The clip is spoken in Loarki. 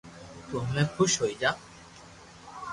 تو ھمي خوݾ ھوئي جا